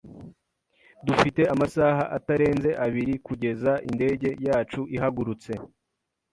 Dufite amasaha atarenze abiri kugeza indege yacu ihagurutse.